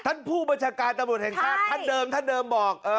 ท่านผู้บริษัทการตำรวจแห่งฆาตท่านเดิมบอก